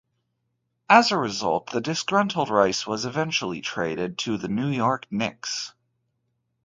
As a result, the disgruntled Rice was eventually traded to the New York Knicks.